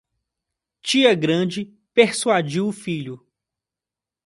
Tia grande persuadiu o filho